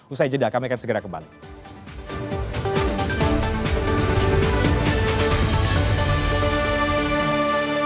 usai jeda kami akan segera kembali